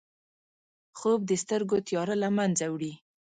خوب د سترګو تیاره له منځه وړي